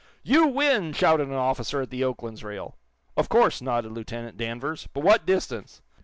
"You win!" shouted an officer at the "Oakland's" rail. "Of course," nodded Lieutenant Danvers, "But what distance?"